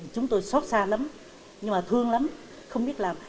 chúng tôi xót xa lắm nhưng mà thương lắm không biết làm